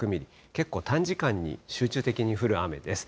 結構短時間に集中的に降る雨です。